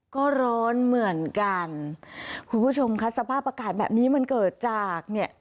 ก็ร้อนเหมือนกันคุณผู้ชมค่ะสภาพอากาศแบบนี้มันเกิดจากเนี่ย